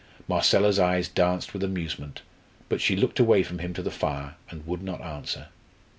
Marcella's eyes danced with amusement, but she looked away from him to the fire, and would not answer.